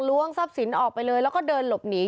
ทรัพย์สินออกไปเลยแล้วก็เดินหลบหนี